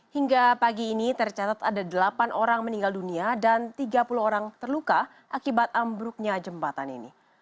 hingga pagi ini tercatat ada delapan orang meninggal dunia dan tiga puluh orang terluka akibat ambruknya jembatan ini